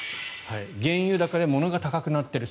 原油高でものが高くなっている。